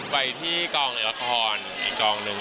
ไปที่กลองเน็ตละครอีกกลองนึง